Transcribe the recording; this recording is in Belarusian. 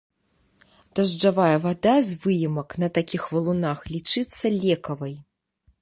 Дажджавая вада з выемак на такіх валунах лічыцца лекавай.